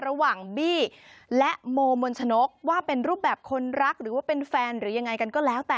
ระหว่างบี้และโมมนชนกว่าเป็นรูปแบบคนรักหรือว่าเป็นแฟนหรือยังไงกันก็แล้วแต่